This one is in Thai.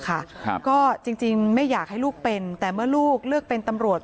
ครับก็จริงจริงไม่อยากให้ลูกเป็นแต่เมื่อลูกเลือกเป็นตำรวจ